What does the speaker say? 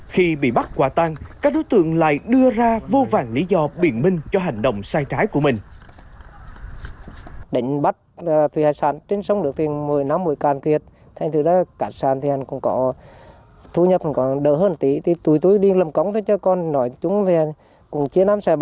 khi bị bắt quả tan các đối tượng lại đưa ra vô vàng lý do biển minh cho hành động sai trái của mình